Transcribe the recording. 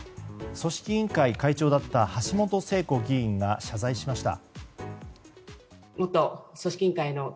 組織委員会会長だった橋本聖子議員が謝罪しました。